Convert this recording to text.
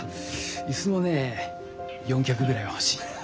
椅子もね４脚ぐらいは欲しい。